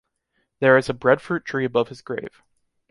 There is a breadfruit tree above his grave.